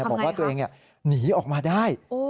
บอกว่าตัวเองหนีออกมาได้